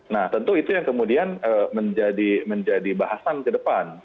nah tentu itu yang kemudian menjadi bahasan ke depan